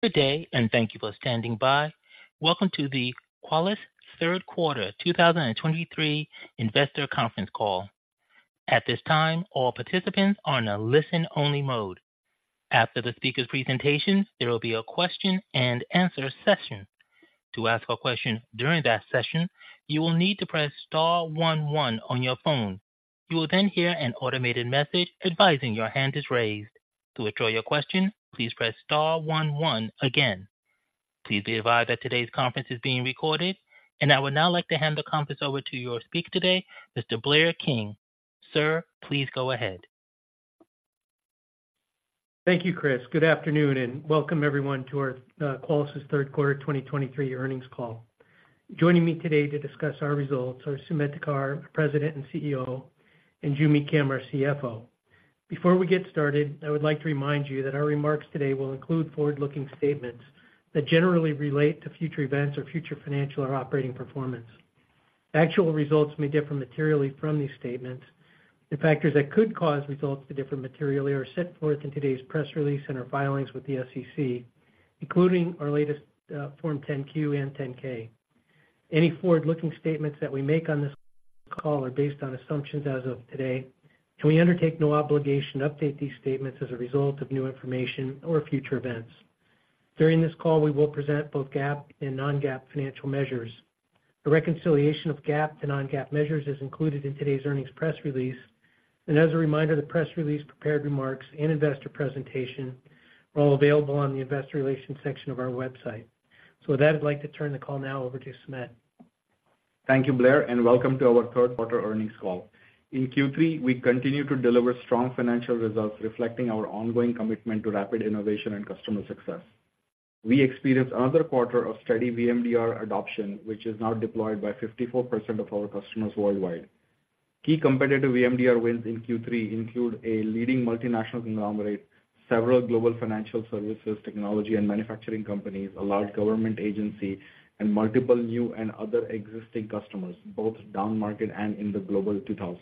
Good day, and thank you for standing by. Welcome to the Qualys Third Quarter 2023 Investor Conference Call. At this time, all participants are in a listen-only mode. After the speaker's presentation, there will be a question-and-answer session. To ask a question during that session, you will need to press star one one on your phone. You will then hear an automated message advising your hand is raised. To withdraw your question, please press star one one again. Please be advised that today's conference is being recorded. I would now like to hand the conference over to your speaker today, Mr. Blair King. Sir, please go ahead. Thank you, Chris. Good afternoon, and welcome everyone to our, Qualys's third quarter 2023 earnings call. Joining me today to discuss our results are Sumedh Thakar, President and CEO, and Joo Mi Kim, our CFO. Before we get started, I would like to remind you that our remarks today will include forward-looking statements that generally relate to future events or future financial or operating performance. Actual results may differ materially from these statements. The factors that could cause results to differ materially are set forth in today's press release and our filings with the SEC, including our latest, Form 10-Q and 10-K. Any forward-looking statements that we make on this call are based on assumptions as of today, and we undertake no obligation to update these statements as a result of new information or future events. During this call, we will present both GAAP and non-GAAP financial measures. A reconciliation of GAAP to non-GAAP measures is included in today's earnings press release. As a reminder, the press release, prepared remarks and investor presentation are all available on the investor relations section of our website. With that, I'd like to turn the call now over to Sumedh. Thank you, Blair, and welcome to our third quarter earnings call. In Q3, we continued to deliver strong financial results, reflecting our ongoing commitment to rapid innovation and customer success. We experienced another quarter of steady VMDR adoption, which is now deployed by 54% of our customers worldwide. Key competitive VMDR wins in Q3 include a leading multinational conglomerate, several global financial services, technology and manufacturing companies, a large government agency, and multiple new and other existing customers, both downmarket and in the Global 2000.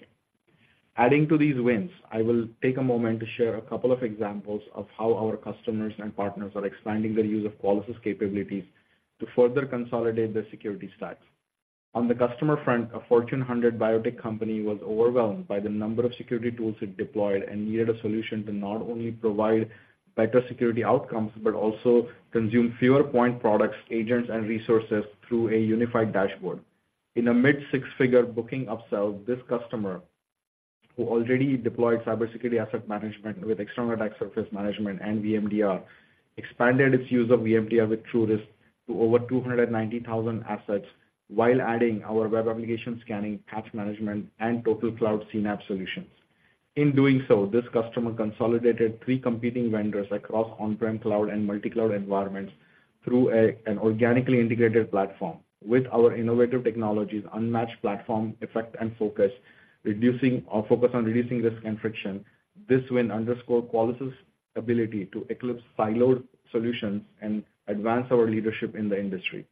Adding to these wins, I will take a moment to share a couple of examples of how our customers and partners are expanding their use of Qualys's capabilities to further consolidate their security stacks. On the customer front, a Fortune 100 biotech company was overwhelmed by the number of security tools it deployed and needed a solution to not only provide better security outcomes, but also consume fewer point products, agents, and resources through an unified dashboard. In a mid-six-figure booking upsell, this customer, who already deployed Cybersecurity Asset Management with External Attack Surface Management and VMDR, expanded its use of VMDR with TruRisk to over 290,000 assets, while adding our Web Application Scanning, Patch Management, and TotalCloud CNAPP solutions. In doing so, this customer consolidated three competing vendors across on-prem cloud and multi-cloud environments through an organically integrated platform. With our innovative technologies, unmatched platform effect and focus on reducing risk and friction, this win underscores Qualys's ability to eclipse siloed solutions and advance our leadership in the industry.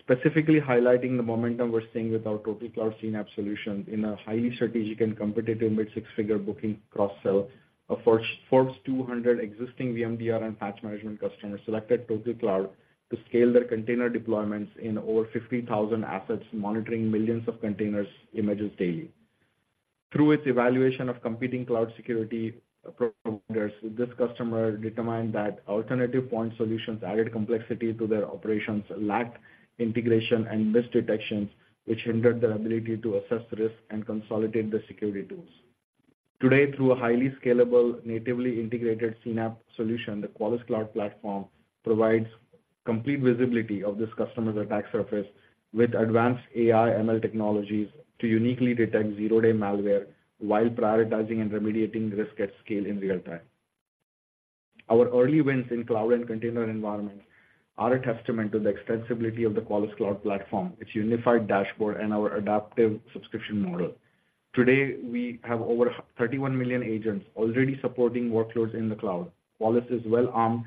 Specifically highlighting the momentum we're seeing with our TotalCloud CNAPP solution in a highly strategic and competitive mid-six-figure booking cross-sell. A Forbes 200 existing VMDR and patch management customer selected TotalCloud to scale their container deployments in over 50,000 assets, monitoring millions of container images daily. Through its evaluation of competing cloud security providers, this customer determined that alternative point solutions added complexity to their operations, lacked integration and risk detections, which hindered their ability to assess risk and consolidate the security tools. Today, through a highly scalable, natively integrated CNAPP solution, the Qualys Cloud Platform provides complete visibility of this customer's attack surface with advanced AI/ML technologies to uniquely detect Zero-Day malware while prioritizing and remediating risk at scale in real time. Our early wins in cloud and container environments are a testament to the extensibility of the Qualys Cloud Platform, its unified dashboard, and our adaptive subscription model. Today, we have over 31 million agents already supporting workloads in the cloud. Qualys is well armed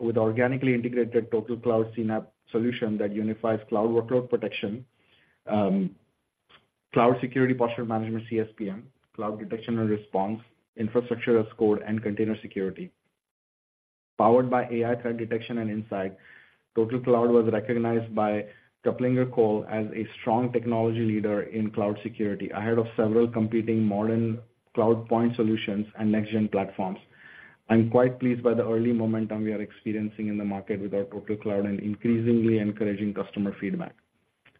with organically integrated TotalCloud CNAPP solution that unifies cloud workload protection, cloud security posture management, CSPM, cloud detection and response, infrastructure as code, and container security. Powered by AI threat detection and insight, TotalCloud was recognized by KuppingerCole as a strong technology leader in cloud security, ahead of several competing modern cloud point solutions and next-gen platforms. I'm quite pleased by the early momentum we are experiencing in the market with our TotalCloud and increasingly encouraging customer feedback.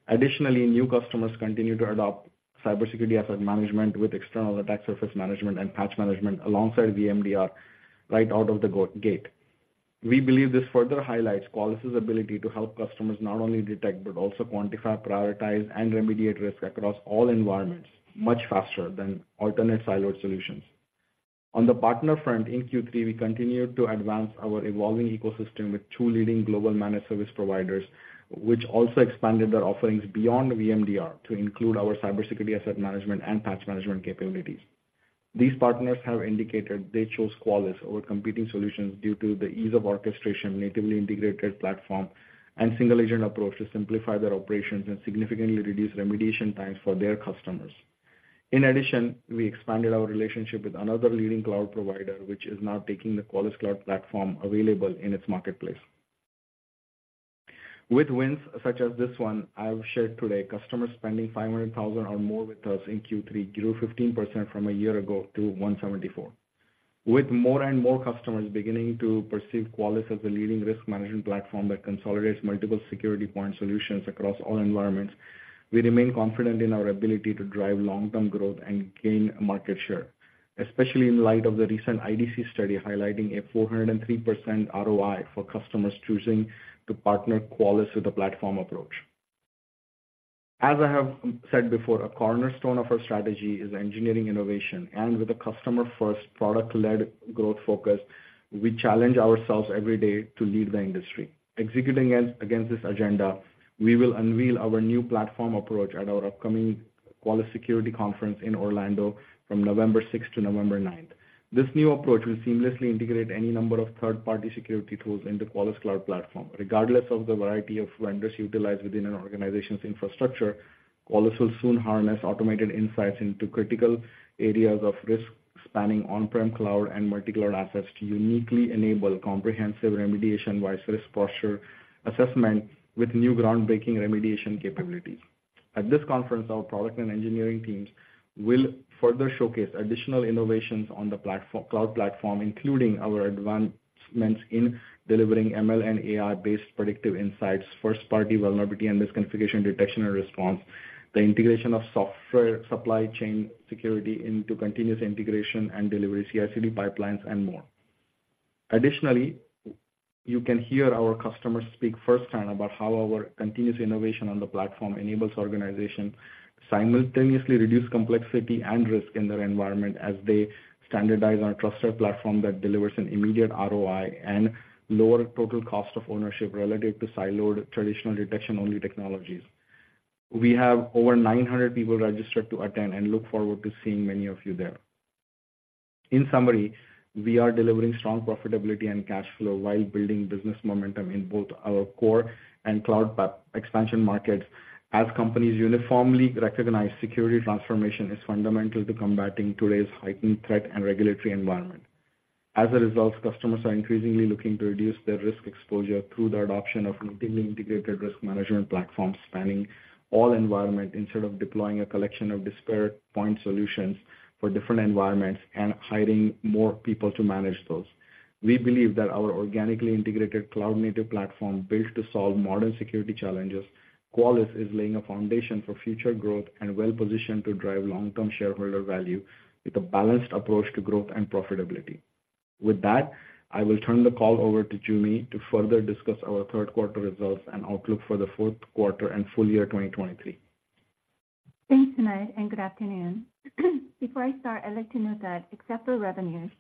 Additionally, new customers continue to adopt Cybersecurity Asset Management with External Attack Surface Management and Patch Management alongside VMDR right out of the gate. We believe this further highlights Qualys's ability to help customers not only detect, but also quantify, prioritize, and remediate risk across all environments much faster than alternate siloed solutions. On the partner front, in Q3, we continued to advance our evolving ecosystem with two leading global managed service providers, which also expanded their offerings beyond VMDR to include our Cybersecurity Asset Management and Patch Management capabilities. These partners have indicated they chose Qualys over competing solutions due to the ease of orchestration, natively integrated platform, and single-agent approach to simplify their operations and significantly reduce remediation times for their customers. In addition, we expanded our relationship with another leading cloud provider, which is now taking the Qualys Cloud Platform available in its marketplace. With wins such as this one I've shared today, customer spending $500,000 or more with us in Q3 grew 15% from a year ago to 174. With more and more customers beginning to perceive Qualys as the leading risk management platform that consolidates multiple security point solutions across all environments, we remain confident in our ability to drive long-term growth and gain market share, especially in light of the recent IDC study, highlighting a 403% ROI for customers choosing to partner Qualys with a platform approach. As I have said before, a cornerstone of our strategy is engineering innovation, and with a customer-first, product-led growth focus, we challenge ourselves every day to lead the industry. Executing against this agenda, we will unveil our new platform approach at our upcoming Qualys Security Conference in Orlando from November 6 to November 9. This new approach will seamlessly integrate any number of third-party security tools in the Qualys Cloud Platform. Regardless of the variety of vendors utilized within an organization's infrastructure, Qualys will soon harness automated insights into critical areas of risk, spanning on-prem cloud and multi-cloud assets to uniquely enable comprehensive remediation-wise risk posture assessment with new groundbreaking remediation capabilities. At this conference, our product and engineering teams will further showcase additional innovations on the platform, cloud platform, including our advancements in delivering ML and AI-based predictive insights, first-party vulnerability and misconfiguration detection and response, the integration of software supply chain security into continuous integration and delivery, CI/CD pipelines, and more. Additionally, you can hear our customers speak firsthand about how our continuous innovation on the platform enables organizations simultaneously reduce complexity and risk in their environment as they standardize on a trusted platform that delivers an immediate ROI and lower total cost of ownership relative to siloed traditional detection-only technologies. We have over 900 people registered to attend and look forward to seeing many of you there. In summary, we are delivering strong profitability and cash flow while building business momentum in both our core and cloud platform expansion markets, as companies uniformly recognize security transformation is fundamental to combating today's heightened threat and regulatory environment. As a result, customers are increasingly looking to reduce their risk exposure through the adoption of continually integrated risk management platforms, spanning all environment, instead of deploying a collection of disparate point solutions for different environments and hiring more people to manage those. We believe that our organically integrated cloud-native platform, built to solve modern security challenges. Qualys is laying a foundation for future growth and well-positioned to drive long-term shareholder value with a balanced approach to growth and profitability. With that, I will turn the call over to Joo Mi to further discuss our third quarter results and outlook for the fourth quarter and full year 2023. Thanks, Sumedh, and good afternoon. Before I start, I'd like to note that except for revenues,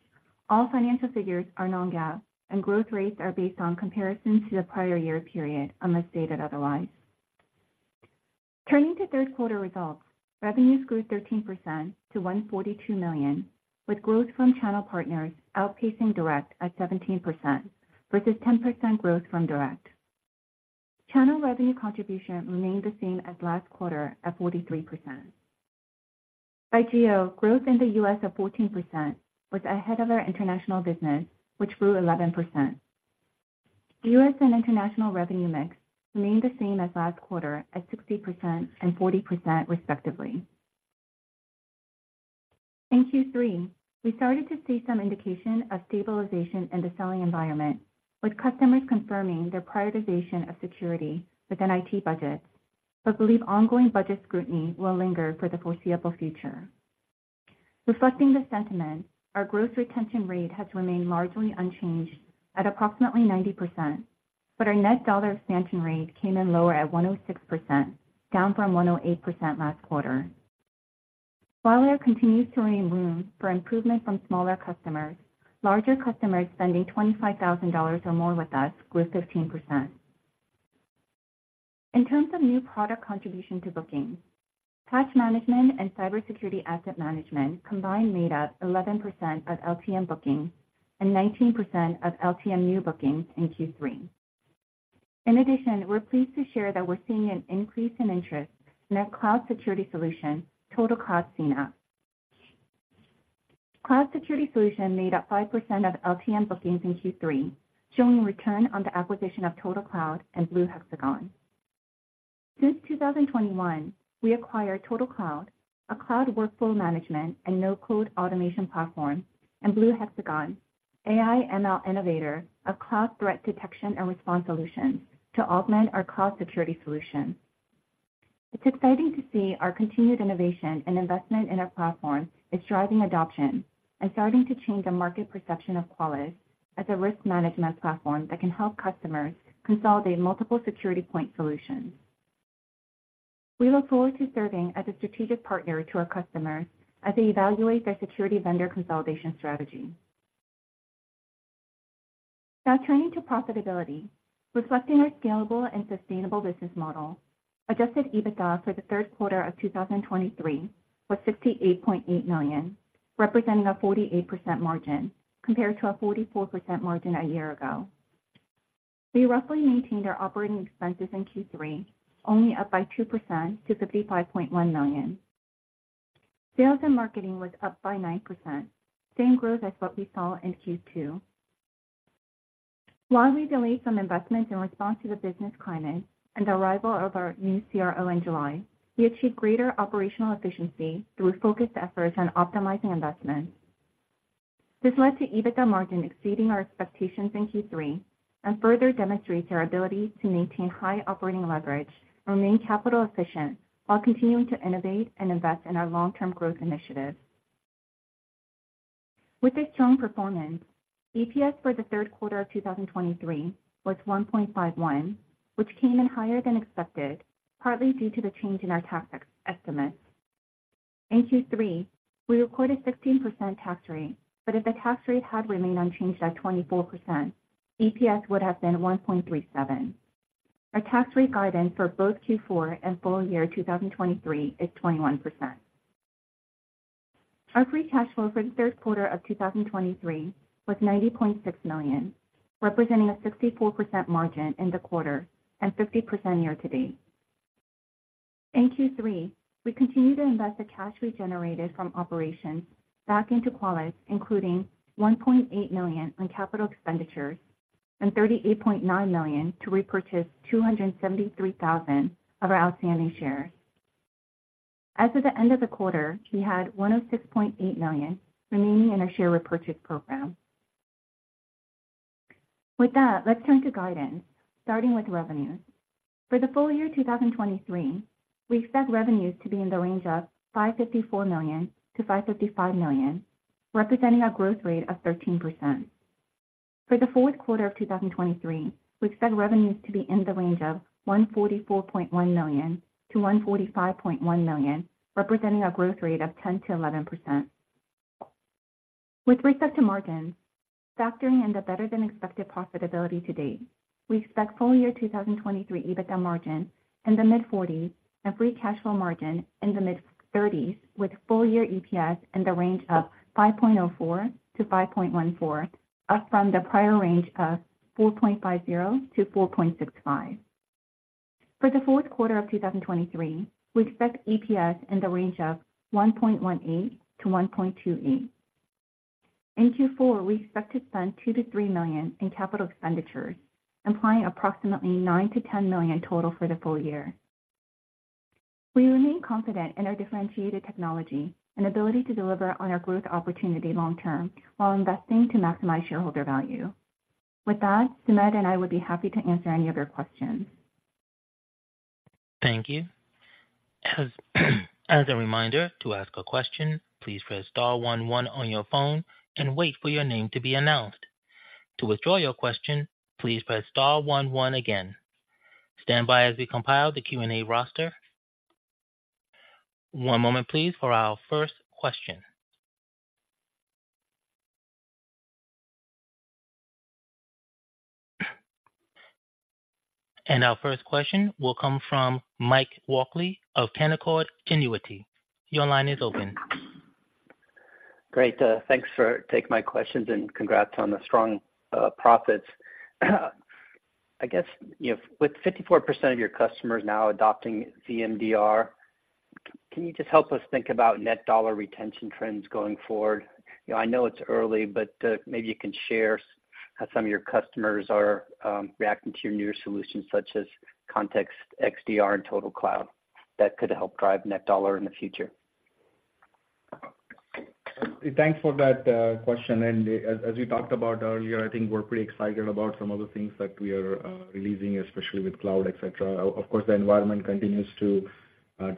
all financial figures are non-GAAP, and growth rates are based on comparisons to the prior year period, unless stated otherwise. Turning to third quarter results, revenues grew 13% to $142 million, with growth from channel partners outpacing direct at 17% versus 10% growth from direct. Channel revenue contribution remained the same as last quarter at 43%. By geo, growth in the U.S. of 14% was ahead of our international business, which grew 11%. The U.S. and international revenue mix remained the same as last quarter, at 60% and 40%, respectively. In Q3, we started to see some indication of stabilization in the selling environment, with customers confirming their prioritization of security within IT budgets, but believe ongoing budget scrutiny will linger for the foreseeable future. Reflecting the sentiment, our growth retention rate has remained largely unchanged at approximately 90%, but our net dollar expansion rate came in lower at 106%, down from 108% last quarter. While there continues to remain room for improvement from smaller customers, larger customers spending $25,000 or more with us grew 15%. In terms of new product contribution to bookings, Patch Management and Cybersecurity Asset Management combined made up 11% of LTM bookings and 19% of LTM new bookings in Q3. In addition, we're pleased to share that we're seeing an increase in interest in our cloud security solution, TotalCloud CNAPP. Cloud security solution made up 5% of LTM bookings in Q3, showing return on the acquisition of TotalCloud and Blue Hexagon. Since 2021, we acquired TotalCloud, a cloud workflow management and no-code automation platform, and Blue Hexagon, AI/ML innovator, a cloud threat detection and response solution to augment our cloud security solution. It's exciting to see our continued innovation and investment in our platform is driving adoption and starting to change the market perception of Qualys as a risk management platform that can help customers consolidate multiple security point solutions. We look forward to serving as a strategic partner to our customers as they evaluate their security vendor consolidation strategy. Now, turning to profitability. Reflecting our scalable and sustainable business model, Adjusted EBITDA for the third quarter of 2023 was $68.8 million, representing a 48% margin, compared to a 44% margin a year ago. We roughly maintained our operating expenses in Q3, only up by 2% to $55.1 million. Sales and marketing was up by 9%, same growth as what we saw in Q2. While we delayed some investments in response to the business climate and the arrival of our new CRO in July, we achieved greater operational efficiency through focused efforts on optimizing investments. This led to EBITDA margin exceeding our expectations in Q3 and further demonstrates our ability to maintain high operating leverage, remain capital efficient, while continuing to innovate and invest in our long-term growth initiatives. With this strong performance, EPS for the third quarter of 2023 was 1.51, which came in higher than expected, partly due to the change in our tax estimate. In Q3, we recorded 16% tax rate, but if the tax rate had remained unchanged at 24%, EPS would have been 1.37. Our tax rate guidance for both Q4 and full year 2023 is 21%. Our free cash flow for the third quarter of 2023 was $90.6 million, representing a 64% margin in the quarter and 50% year to date. In Q3, we continued to invest the cash we generated from operations back into Qualys, including $1.8 million in capital expenditures and $38.9 million to repurchase 273,000 of our outstanding shares. As of the end of the quarter, we had $106.8 million remaining in our share repurchase program. With that, let's turn to guidance, starting with revenues. For the full year 2023, we expect revenues to be in the range of $554 million-$555 million, representing a growth rate of 13%. For the fourth quarter of 2023, we expect revenues to be in the range of $144.1 million-$145.1 million, representing a growth rate of 10%-11%. With respect to margins, factoring in the better-than-expected profitability to date, we expect full year 2023 EBITDA margin in the mid-forties and free cash flow margin in the mid-thirties, with full year EPS in the range of $5.04-$5.14, up from the prior range of $4.50-$4.65. For the fourth quarter of 2023, we expect EPS in the range of $1.18-$1.28. In Q4, we expect to spend $2 million-$3 million in capital expenditures, implying approximately $9 million-$10 million total for the full year. We remain confident in our differentiated technology and ability to deliver on our growth opportunity long term while investing to maximize shareholder value. With that, Sumedh and I would be happy to answer any of your questions. Thank you. As a reminder, to ask a question, please press star 1,1 on your phone and wait for your name to be announced. To withdraw your question, please press star 1,1 again. Stand by as we compile the Q&A roster. One moment, please, for our first question. And our first question will come from Mike Walkley of Canaccord Genuity. Your line is open. Great, thanks for taking my questions, and congrats on the strong profits. I guess, you know, with 54% of your customers now adopting VMDR, can you just help us think about net dollar retention trends going forward? You know, I know it's early, but maybe you can share how some of your customers are reacting to your newer solutions, such as Context XDR and TotalCloud, that could help drive net dollar in the future. Thanks for that question. As we talked about earlier, I think we're pretty excited about some of the things that we are releasing, especially with cloud, et cetera. Of course, the environment continues to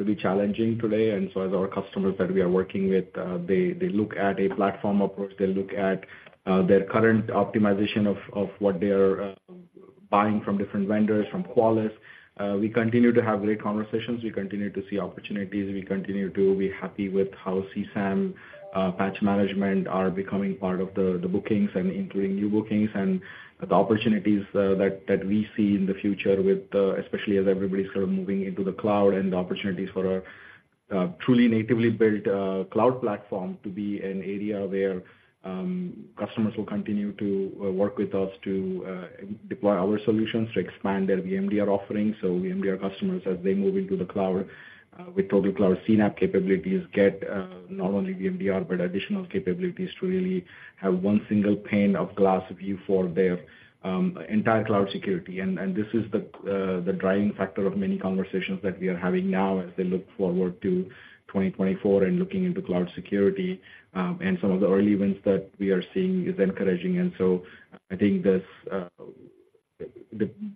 be challenging today. So as our customers that we are working with, they look at a platform approach. They look at their current optimization of what they're buying from different vendors, from Qualys. We continue to have great conversations. We continue to see opportunities. We continue to be happy with how CSAM, patch management are becoming part of the bookings and including new bookings and the opportunities that we see in the future with, especially as everybody's sort of moving into the cloud and the opportunities for our truly natively built cloud platform to be an area where customers will continue to work with us to deploy our solutions to expand their VMDR offerings. So VMDR customers, as they move into the cloud with TotalCloud CSAM capabilities, get not only VMDR, but additional capabilities to really have one single pane of glass view for their entire cloud security. And this is the driving factor of many conversations that we are having now as they look forward to 2024 and looking into cloud security. And some of the early wins that we are seeing is encouraging. And so I think this,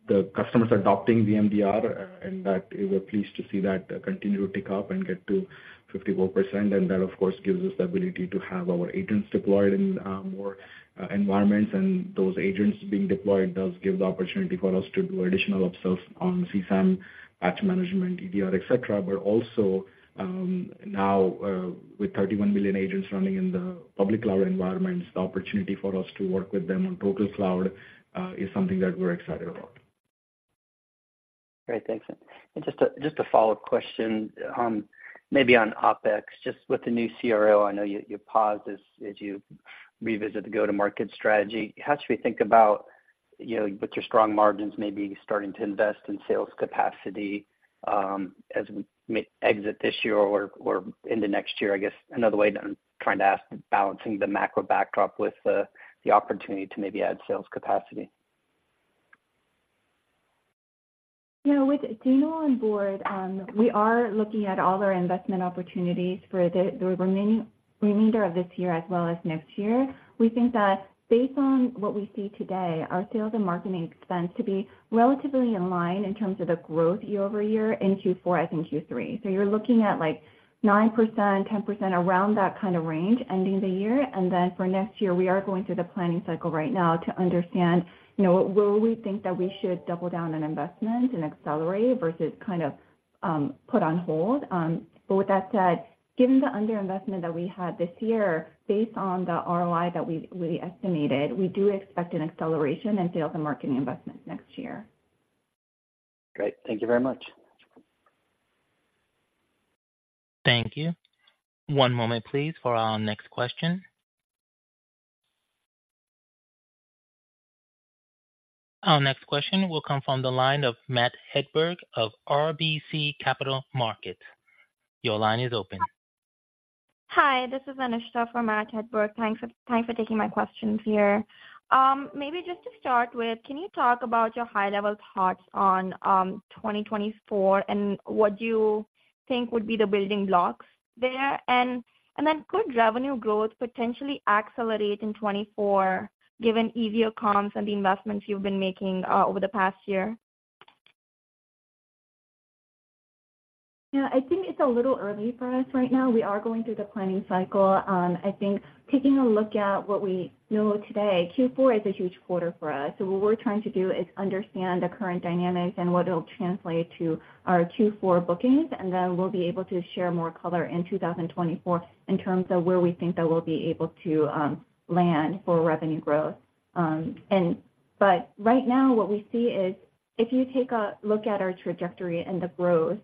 the customers adopting VMDR, and that we're pleased to see that continue to tick up and get to 54%. And that, of course, gives us the ability to have our agents deployed in more environments. And those agents being deployed does give the opportunity for us to do additional upsells on CSAM, patch management, EDR, et cetera. But also, now, with 31 million agents running in the public cloud environments, the opportunity for us to work with them on total cloud is something that we're excited about.... Great, thanks. And just a follow-up question, maybe on OpEx, just with the new CRO, I know you paused as you revisit the go-to-market strategy. How should we think about, you know, with your strong margins maybe starting to invest in sales capacity, as we exit this year or into next year? I guess another way to trying to ask, balancing the macro backdrop with the opportunity to maybe add sales capacity. You know, with Dino on board, we are looking at all our investment opportunities for the remainder of this year as well as next year. We think that based on what we see today, our sales and marketing expense to be relatively in line in terms of the growth year over year in Q4 as in Q3. So you're looking at, like, 9%, 10%, around that kind of range ending the year. And then for next year, we are going through the planning cycle right now to understand, you know, where we think that we should double down on investment and accelerate versus kind of put on hold. But with that said, given the underinvestment that we had this year, based on the ROI that we estimated, we do expect an acceleration in sales and marketing investment next year. Great. Thank you very much. Thank you. One moment, please, for our next question. Our next question will come from the line of Matt Hedberg of RBC Capital Markets. Your line is open. Hi, this is Anushya for Matt Hedberg. Thanks for, thanks for taking my questions here. Maybe just to start with, can you talk about your high-level thoughts on 2024, and what do you think would be the building blocks there? And then could revenue growth potentially accelerate in 2024, given easier comps and the investments you've been making over the past year? Yeah, I think it's a little early for us right now. We are going through the planning cycle. I think taking a look at what we know today, Q4 is a huge quarter for us. So what we're trying to do is understand the current dynamics and what it'll translate to our Q4 bookings, and then we'll be able to share more color in 2024 in terms of where we think that we'll be able to land for revenue growth. And but right now, what we see is if you take a look at our trajectory and the growth,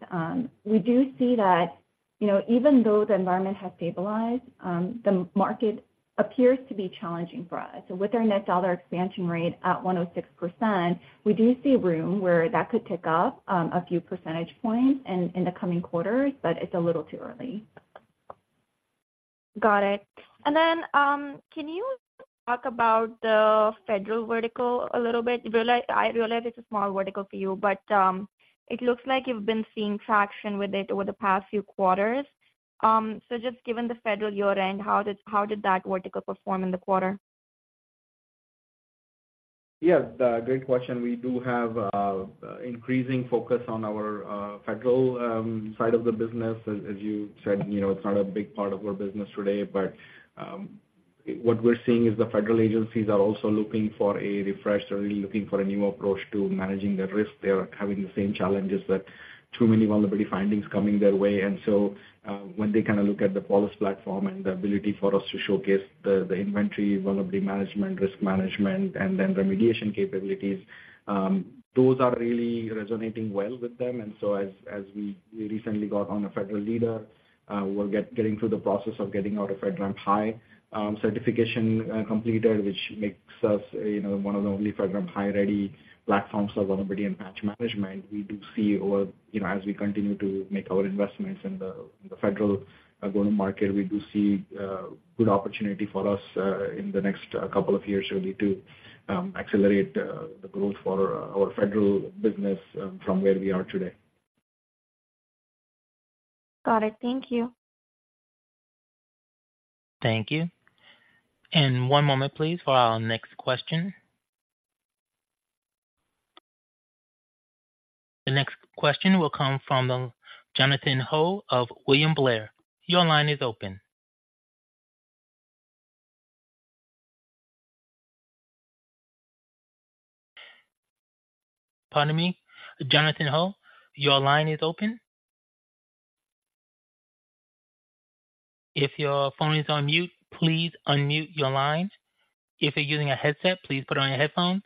we do see that, you know, even though the environment has stabilized, the market appears to be challenging for us. So with our net dollar expansion rate at 106%, we do see room where that could tick up, a few percentage points in the coming quarters, but it's a little too early. Got it. And then, can you talk about the federal vertical a little bit? I realize it's a small vertical for you, but, it looks like you've been seeing traction with it over the past few quarters. So just given the federal year-end, how did that vertical perform in the quarter? Yes, great question. We do have increasing focus on our Federal side of the business. As you said, you know, it's not a big part of our business today, but what we're seeing is the Federal agencies are also looking for a refresh or really looking for a new approach to managing their risk. They are having the same challenges that too many vulnerability findings coming their way. And so, when they kind of look at the Qualys platform and the ability for us to showcase the inventory, vulnerability management, risk management, and then remediation capabilities, those are really resonating well with them. And so as we recently got on the FedRAMP leaderboard, we'll get... getting through the process of getting our FedRAMP High certification completed, which makes us, you know, one of the only FedRAMP High ready platforms for vulnerability and patch management. We do see, you know, as we continue to make our investments in the federal go-to-market, we do see good opportunity for us in the next couple of years really to accelerate the growth for our federal business from where we are today. Got it. Thank you. Thank you. One moment, please, for our next question. The next question will come from Jonathan Ho of William Blair. Your line is open. Pardon me, Jonathan Ho, your line is open. If your phone is on mute, please unmute your line. If you're using a headset, please put on your headphones.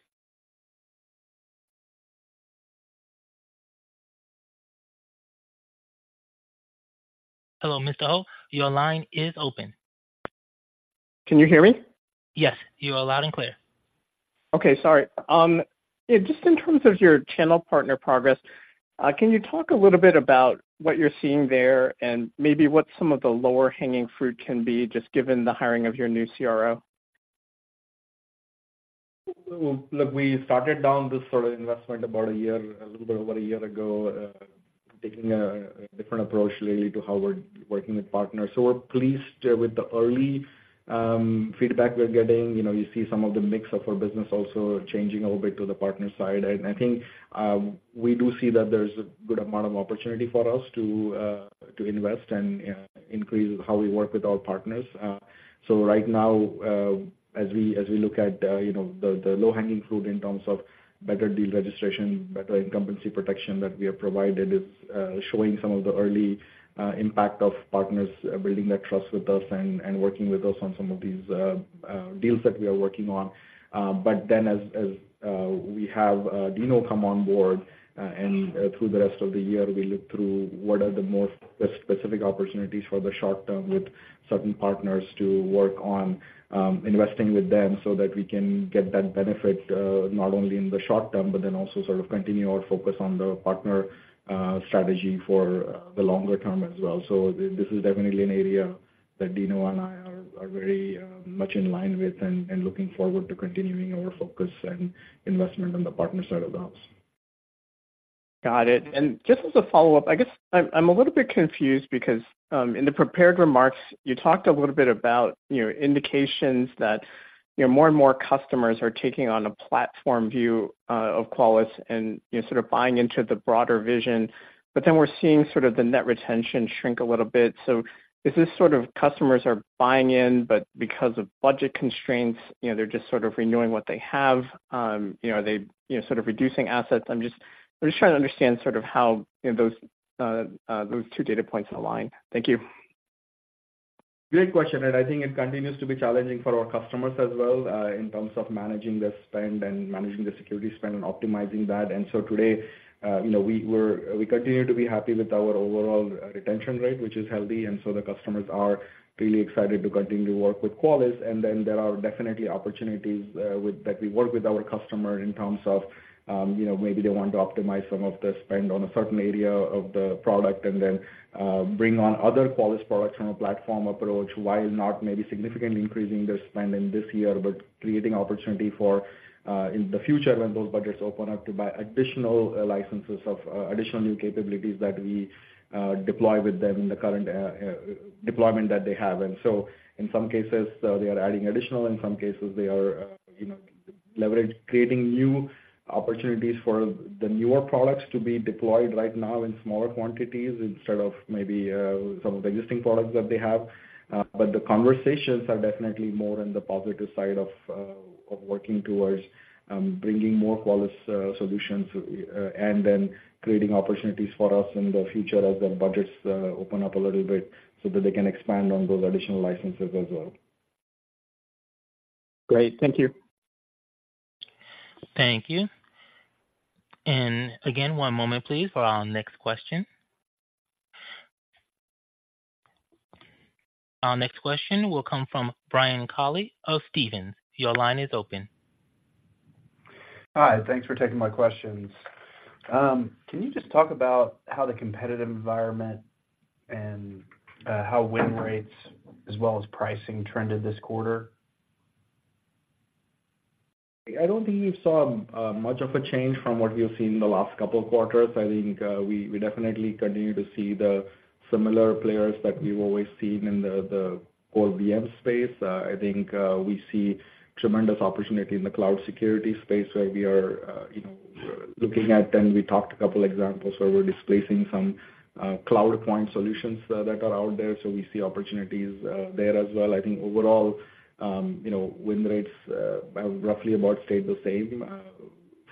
Hello, Mr. Ho, your line is open. Can you hear me? Yes, you are loud and clear. Okay, sorry. Yeah, just in terms of your channel partner progress, can you talk a little bit about what you're seeing there and maybe what some of the lower-hanging fruit can be, just given the hiring of your new CRO? Look, we started down this sort of investment about a year, a little bit over a year ago, taking a different approach really to how we're working with partners. So we're pleased with the early feedback we're getting. You know, you see some of the mix of our business also changing a little bit to the partner side. And I think we do see that there's a good amount of opportunity for us to invest and increase how we work with our partners. So right now, as we look at, you know, the low-hanging fruit in terms of better deal registration, better incumbency protection that we have provided, it's showing some of the early impact of partners building that trust with us and working with us on some of these deals that we are working on. But then as we have Dino come on board and through the rest of the year, we look through what are the more specific opportunities for the short term with certain partners to work on, investing with them so that we can get that benefit, not only in the short term, but then also sort of continue our focus on the partner strategy for the longer term as well. So this is definitely an area that Dino and I are very much in line with and looking forward to continuing our focus and investment on the partner side of the house. Got it. And just as a follow-up, I guess I'm, I'm a little bit confused because in the prepared remarks, you talked a little bit about, you know, indications that, you know, more and more customers are taking on a platform view of Qualys and, you know, sort of buying into the broader vision. But then we're seeing sort of the net retention shrink a little bit. So is this sort of customers are buying in, but because of budget constraints, you know, they're just sort of renewing what they have? You know, are they, you know, sort of reducing assets? I'm just trying to understand sort of how, you know, those two data points align. Thank you. Great question, and I think it continues to be challenging for our customers as well, in terms of managing their spend and managing the security spend and optimizing that. And so today, you know, we continue to be happy with our overall, retention rate, which is healthy, and so the customers are really excited to continue to work with Qualys. Then there are definitely opportunities that we work with our customer in terms of, you know, maybe they want to optimize some of the spend on a certain area of the product and then bring on other Qualys products from a platform approach, while not maybe significantly increasing their spending this year, but creating opportunity for in the future when those budgets open up, to buy additional licenses of additional new capabilities that we deploy with them in the current deployment that they have. So in some cases, they are adding additional. In some cases, they are, you know, leverage creating new opportunities for the newer products to be deployed right now in smaller quantities instead of maybe some of the existing products that they have. But the conversations are definitely more on the positive side of working towards bringing more Qualys solutions and then creating opportunities for us in the future as the budgets open up a little bit so that they can expand on those additional licenses as well. Great. Thank you. Thank you. Again, one moment please, for our next question. Our next question will come from Brian Colley of Stephens. Your line is open. Hi, thanks for taking my questions. Can you just talk about how the competitive environment and, how win rates as well as pricing trended this quarter? I don't think we saw much of a change from what we've seen in the last couple of quarters. I think we definitely continue to see the similar players that we've always seen in the core VM space. I think we see tremendous opportunity in the cloud security space, where we are, you know, looking at, and we talked a couple examples, where we're displacing some cloud point solutions that are out there. So we see opportunities there as well. I think overall, you know, win rates roughly about stayed the same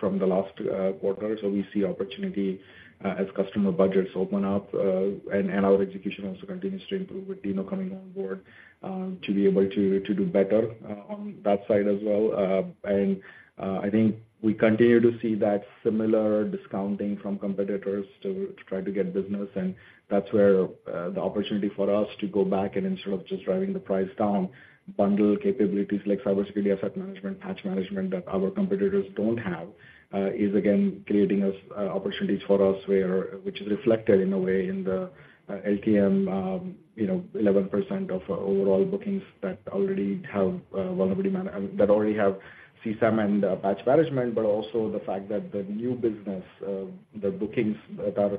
from the last quarter. So we see opportunity as customer budgets open up, and our execution also continues to improve with Dino coming on board to be able to do better on that side as well. I think we continue to see that similar discounting from competitors to try to get business. And that's where the opportunity for us to go back and instead of just driving the price down, bundle capabilities like cybersecurity, asset management, patch management that our competitors don't have is again creating us opportunities for us where... Which is reflected in a way in the LTM, you know, 11% of overall bookings that already have CSAM and patch management. But also the fact that the new business, the bookings that are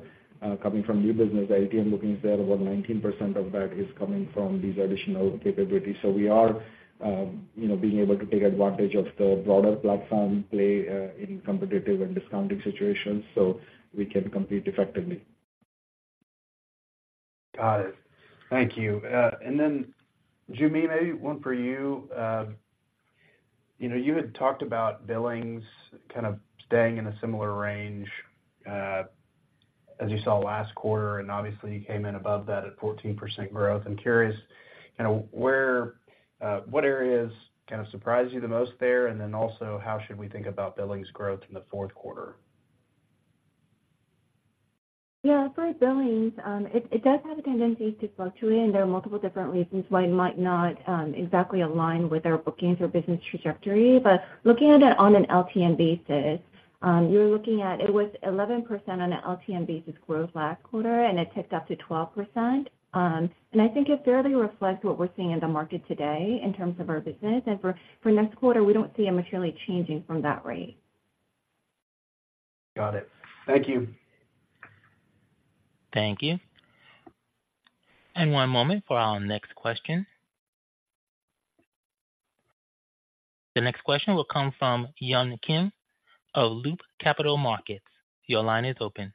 coming from new business, the LTM bookings there, over 19% of that is coming from these additional capabilities. So we are, you know, being able to take advantage of the broader platform play, in competitive and discounting situations, so we can compete effectively. Got it. Thank you. And then, Joo Mi, maybe one for you. You know, you had talked about billings kind of staying in a similar range as you saw last quarter, and obviously you came in above that at 14% growth. I'm curious, kind of what areas kind of surprised you the most there? And then also, how should we think about billings growth in the fourth quarter? Yeah, for billings, it does have a tendency to fluctuate, and there are multiple different reasons why it might not exactly align with our bookings or business trajectory. But looking at it on an LTM basis, you're looking at... It was 11% on an LTM basis growth last quarter, and it ticked up to 12%. And I think it fairly reflects what we're seeing in the market today in terms of our business. And for next quarter, we don't see it materially changing from that rate.... Got it. Thank you. Thank you. And one moment for our next question. The next question will come from Yun Kim of Loop Capital Markets. Your line is open.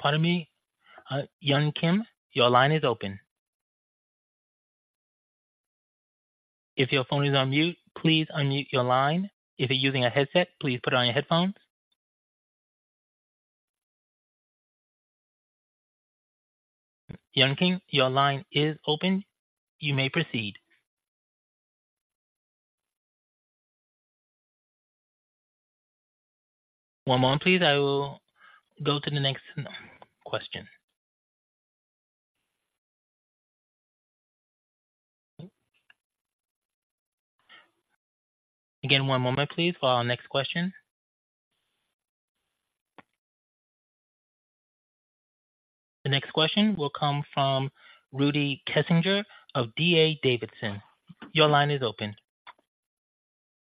Pardon me, Yun Kim, your line is open. If your phone is on mute, please unmute your line. If you're using a headset, please put on your headphones. Yun Kim, your line is open. You may proceed. One moment, please. I will go to the next question. Again, one moment, please, for our next question. The next question will come from Rudy Kessinger of DA Davidson. Your line is open.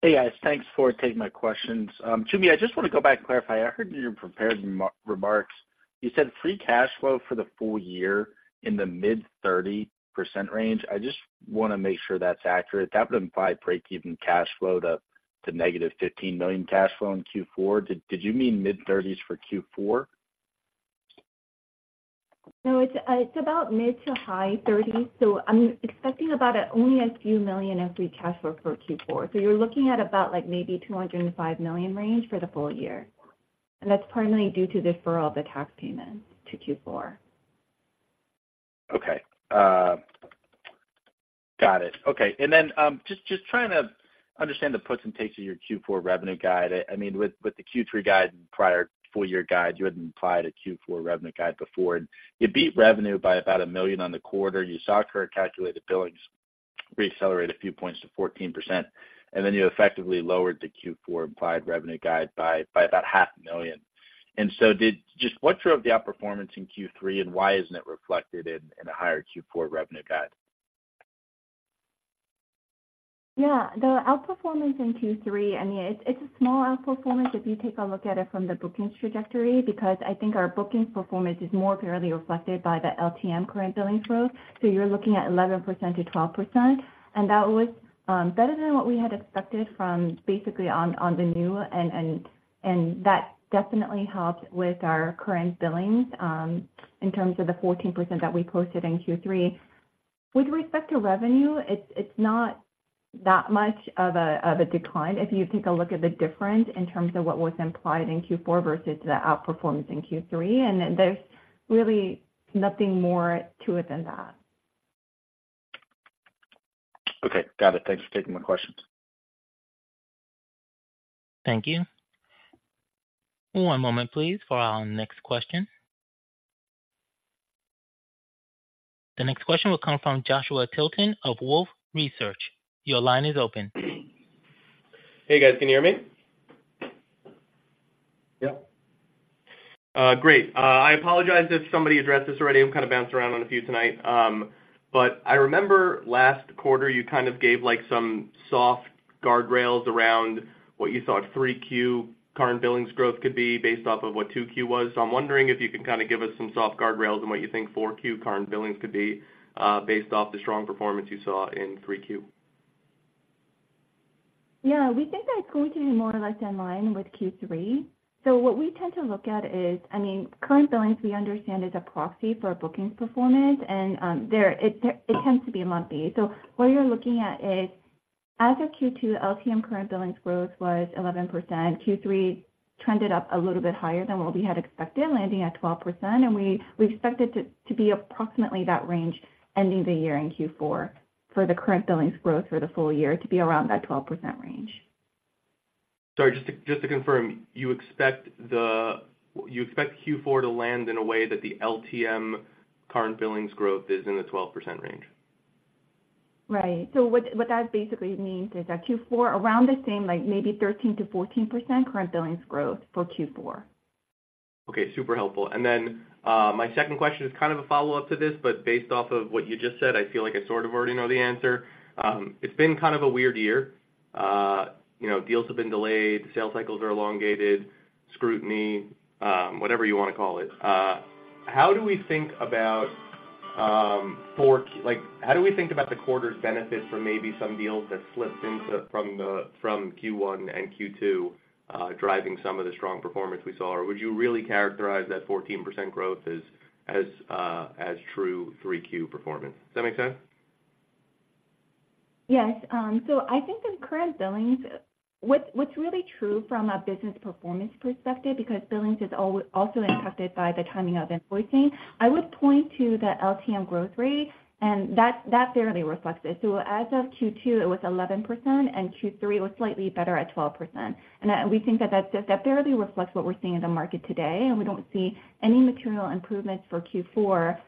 Hey, guys. Thanks for taking my questions. Joo Mi, I just want to go back and clarify. I heard in your prepared remarks, you said free cash flow for the full year in the mid-30% range. I just want to make sure that's accurate. That would imply breakeven cash flow to negative $15 million cash flow in Q4. Did you mean mid-30s for Q4? No, it's about mid- to high-30s, so I'm expecting only a few million of free cash flow for Q4. So you're looking at about, like, maybe $205 million range for the full year, and that's primarily due to deferral of the tax payment to Q4. Okay. Got it. Okay, and then, just, just trying to understand the puts and takes of your Q4 revenue guide. I mean, with the Q3 guide and prior full year guide, you hadn't implied a Q4 revenue guide before, and you beat revenue by about $1 million on the quarter. You saw current Calculated Billings reaccelerate a few points to 14%, and then you effectively lowered the Q4 implied revenue guide by about $500,000. And so did-- just what drove the outperformance in Q3, and why isn't it reflected in a higher Q4 revenue guide? Yeah, the outperformance in Q3, I mean, it's a small outperformance if you take a look at it from the bookings trajectory, because I think our bookings performance is more fairly reflected by the LTM current billings growth. So you're looking at 11%-12%, and that was better than what we had expected from basically on the new and that definitely helped with our current billings in terms of the 14% that we posted in Q3. With respect to revenue, it's not that much of a decline if you take a look at the difference in terms of what was implied in Q4 versus the outperformance in Q3, and there's really nothing more to it than that. Okay, got it. Thanks for taking my questions. Thank you. One moment, please, for our next question. The next question will come from Joshua Tilton of Wolfe Research. Your line is open. Hey, guys, can you hear me? Yep. Great. I apologize if somebody addressed this already. I'm kind of bouncing around on a few tonight, but I remember last quarter you kind of gave, like, some soft guardrails around what you thought 3Q Current Billings growth could be based off of what 2Q was. So I'm wondering if you can kind of give us some soft guardrails on what you think 4Q Current Billings could be, based off the strong performance you saw in 3Q. Yeah. We think that it's going to be more or less in line with Q3. So what we tend to look at is, I mean, current billings, we understand, is a proxy for bookings performance, and it tends to be monthly. So what you're looking at is as of Q2, LTM current billings growth was 11%. Q3 trended up a little bit higher than what we had expected, landing at 12%, and we expect it to be approximately that range ending the year in Q4, for the current billings growth for the full year to be around that 12% range. Sorry, just to confirm, you expect Q4 to land in a way that the LTM current billings growth is in the 12% range? Right. So what, what that basically means is that Q4, around the same, like maybe 13%-14% Current Billings growth for Q4. Okay, super helpful. And then, my second question is kind of a follow-up to this, but based off of what you just said, I feel like I sort of already know the answer. It's been kind of a weird year. You know, deals have been delayed, sales cycles are elongated, scrutiny, whatever you want to call it. How do we think about, for like - how do we think about the quarter's benefit from maybe some deals that slipped into from the, from Q1 and Q2, driving some of the strong performance we saw? Or would you really characterize that 14% growth as, as, true 3Q performance? Does that make sense? Yes. So I think in current billings, what's really true from a business performance perspective, because billings is also impacted by the timing of invoicing, I would point to the LTM growth rate, and that fairly reflects it. So as of Q2, it was 11%, and Q3 was slightly better at 12%. And we think that that fairly reflects what we're seeing in the market today, and we don't see any material improvements for Q4.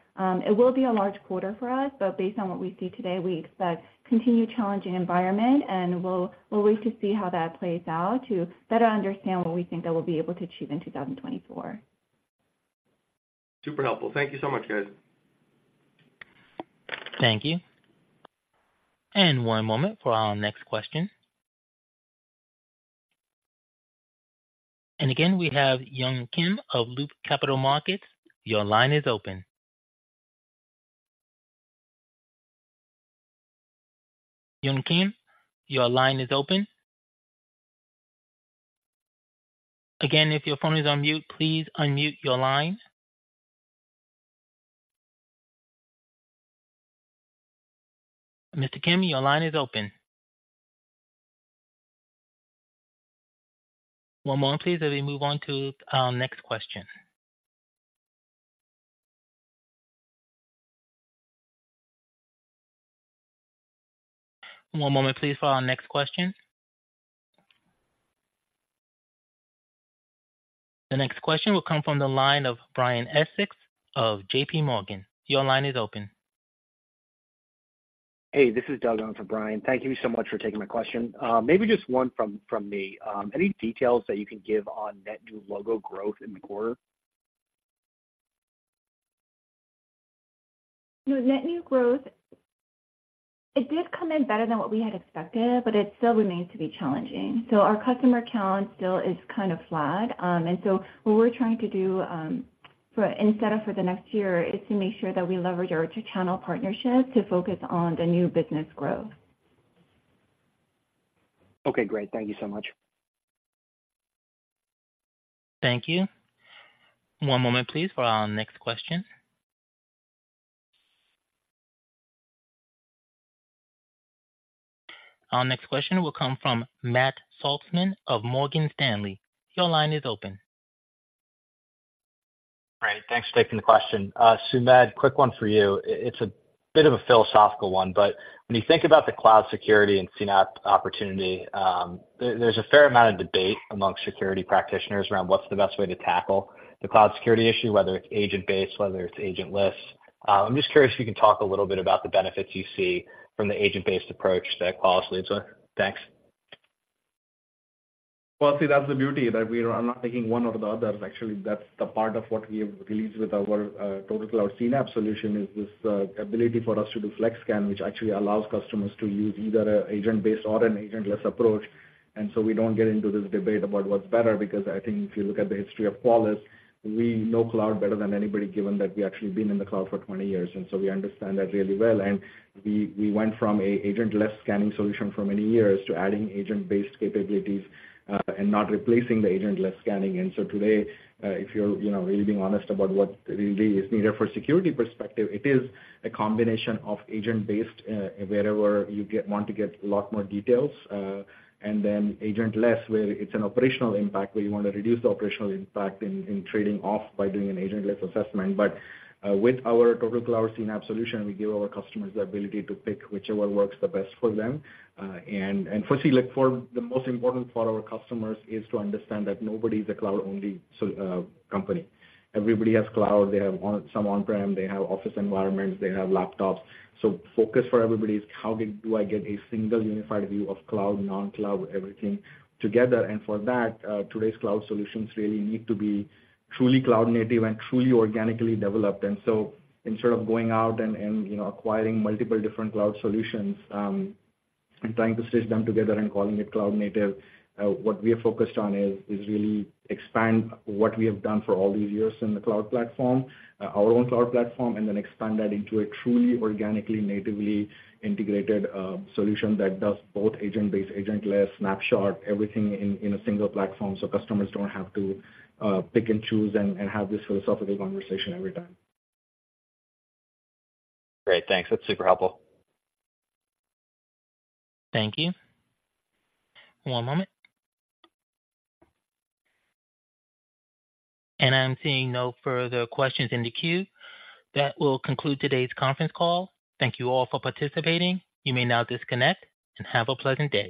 It will be a large quarter for us, but based on what we see today, we expect continued challenging environment, and we'll wait to see how that plays out to better understand what we think that we'll be able to achieve in 2024.... Super helpful. Thank you so much, guys. Thank you. One moment for our next question. Again, we have Yun Kim of Loop Capital Markets. Your line is open. Yun Kim, your line is open. Again, if your phone is on mute, please unmute your line. Mr. Kim, your line is open. One moment please, as we move on to our next question. One moment please, for our next question. The next question will come from the line of Brian Essex of JP Morgan. Your line is open. Hey, this is Doug on for Brian. Thank you so much for taking my question. Maybe just one from me. Any details that you can give on net new logo growth in the quarter? Net new growth, it did come in better than what we had expected, but it still remains to be challenging. So our customer count still is kind of flat. And so what we're trying to do, for instead of for the next year, is to make sure that we leverage our two channel partnerships to focus on the new business growth. Okay, great. Thank you so much. Thank you. One moment please, for our next question. Our next question will come from Matt Saltzman of Morgan Stanley. Your line is open. Great, thanks for taking the question. Sumedh, quick one for you. It's a bit of a philosophical one, but when you think about the cloud security and CNAPP opportunity, there's a fair amount of debate among security practitioners around what's the best way to tackle the cloud security issue, whether it's agent-based, whether it's agentless. I'm just curious if you can talk a little bit about the benefits you see from the agent-based approach that Qualys leads with. Thanks. Well, see, that's the beauty, that we are not taking one or the other. Actually, that's the part of what we have released with our TotalCloud CNAPP solution, is this ability for us to do FlexScan, which actually allows customers to use either an agent-based or an agentless approach. And so we don't get into this debate about what's better, because I think if you look at the history of Qualys, we know cloud better than anybody, given that we've actually been in the cloud for 20 years, and so we understand that really well. And we, we went from an agentless scanning solution for many years to adding agent-based capabilities, and not replacing the agentless scanning. Today, if you're, you know, really being honest about what really is needed for security perspective, it is a combination of agent-based, wherever you want to get a lot more details, and then agentless, where it's an operational impact, where you want to reduce the operational impact in trading off by doing an agentless assessment. But with our total cloud CNAPP solution, we give our customers the ability to pick whichever works the best for them. And firstly, like, for the most important for our customers, is to understand that nobody's a cloud-only company. Everybody has cloud. They have on-prem, some on-prem, they have office environments, they have laptops. So focus for everybody is: How do I get a single unified view of cloud, non-cloud, everything together? And for that, today's cloud solutions really need to be truly cloud native and truly organically developed. And so instead of going out and, you know, acquiring multiple different cloud solutions, and trying to stitch them together and calling it cloud native, what we are focused on is really expand what we have done for all these years in the cloud platform, our own cloud platform, and then expand that into a truly, organically, natively integrated, solution that does both agent-based, agentless, snapshot, everything in a single platform, so customers don't have to pick and choose and have this philosophical conversation every time. Great, thanks. That's super helpful. Thank you. One moment. I'm seeing no further questions in the queue. That will conclude today's conference call. Thank you all for participating. You may now disconnect and have a pleasant day.